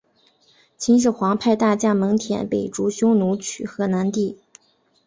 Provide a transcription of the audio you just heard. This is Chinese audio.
秦始皇派大将蒙恬北逐匈奴取河南地。